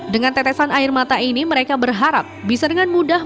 dengan tetesan air mata ini mereka berharap bisa dengan mudah